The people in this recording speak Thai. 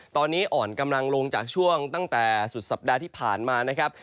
ตอนนี้อ่อนกำลังลงจากช่วงตั้งแต่สุดสัปดาห์ที่ผ่านมานะครับ